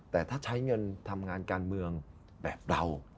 แต่ถ้าใช้เงินทำงานการเมืองแบบเรา